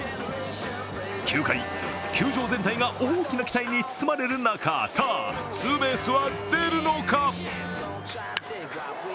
９回、球場全体が大きな期待に包まれる中、さあ、ツーベースは出るのか？